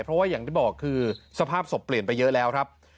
เพราะว่าอย่างที่บอกคือสภาพศพเปลี่ยนไปเยอะแล้วครับ